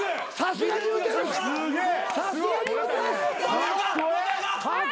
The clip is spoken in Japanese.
すげえ。